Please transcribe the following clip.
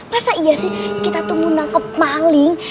masa iya sih kita tuh mau nangkep maling